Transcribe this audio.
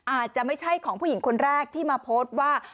อาจจะไม่ใช่ของผู้หญิงคนแรกที่มาโพสต์ว่า